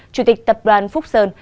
chủ tịch tập đoàn phúc sơn